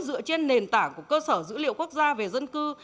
dựa trên nền tảng của cơ sở dữ liệu quốc gia về dân cư